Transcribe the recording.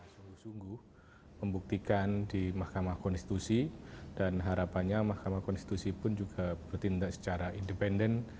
sungguh sungguh membuktikan di mahkamah konstitusi dan harapannya mahkamah konstitusi pun juga bertindak secara independen